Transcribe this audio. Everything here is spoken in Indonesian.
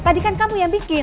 tadi kan kamu yang bikin